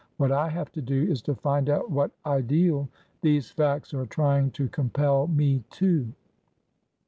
What I have to do is to find out what Ideal these iacts are trying to com pel me to.'